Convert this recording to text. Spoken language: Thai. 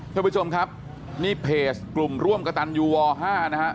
ท่านผู้ชมครับนี่เพจกลุ่มร่วมกระตันยูว๕นะฮะ